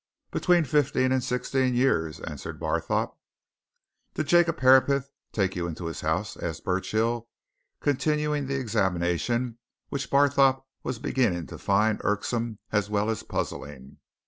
"Between fifteen and sixteen years," answered Barthorpe. "Did Jacob Herapath take you into his house?" asked Burchill, continuing the examination which Barthorpe was beginning to find irksome as well as puzzling.